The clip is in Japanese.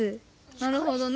なるほどね。